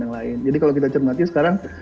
yang lain jadi kalau kita cermati sekarang